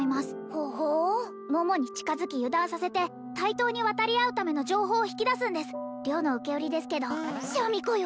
ほほう桃に近づき油断させて対等に渡り合うための情報を引き出すんです良の受け売りですけどシャミ子よ